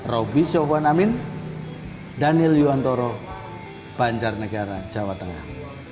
robby sofwan amin daniel yuwantoro banjar negara jawa tengah